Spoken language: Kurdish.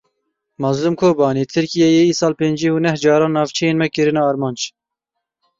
Mazlûm Kobanî Tirkiyeyê îsal pêncî û neh caran navçeyên me kirine armanc.